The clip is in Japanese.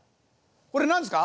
これ何ですか？」。